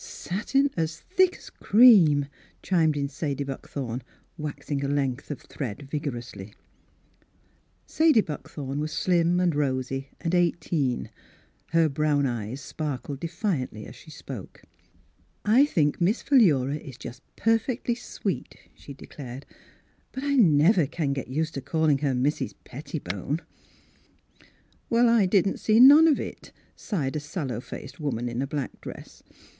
" Satin as thick as cream," chimed in Sadie Buckthorn, waxing a length of thread vigorously. y Miss Fhilura's Wedding Gown Sadie Buckthorn was slim and rosy and eighteen; her brown eyes sparkled de fiantly as she spoke. " I think Miss Philura is just perfectly sweet !" she declared. " But I never can get used to calling her Mrs. Pettibone." " Well, I didn't see none of it," sighed a sallow faced woman in a black dress.